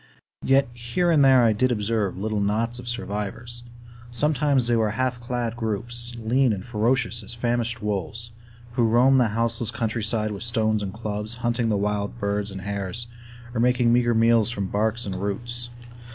Yet here and there I did observe little knots of survivors. Sometimes they were half clad groups, lean and ferocious as famished wolves, who roamed the houseless countryside with stones and clubs, hunting the wild birds and hares, or making meager meals from bark and roots.